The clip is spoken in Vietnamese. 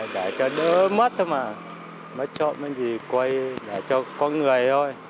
để cho đỡ mất thôi mà mất trộm gì quay để cho có người thôi